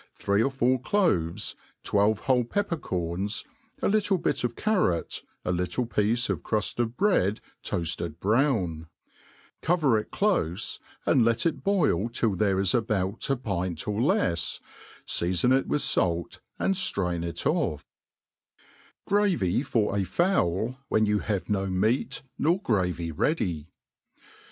threci or four cloves, twelve whole pepper corns, a I;ttle bit Qt\ c^r lot) a little piece of cruft of bread toafted . btown > cover it clofe. n6 THE ART OF COOKERY clofe, and let it boil till there is about a pint or lefs; then feafon it with fait, and ftrain it oflF. Gravy for a Fowly when you have no Meat nor Gravy ready.